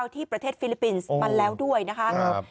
ที่ประเทศฟิลิปปินส์มาแล้วด้วยนะคะ